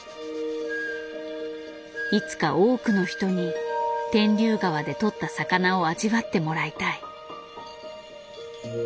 いつか多くの人に天竜川で取った魚を味わってもらいたい。